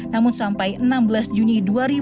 namun sampai enam belas juni dua ribu dua puluh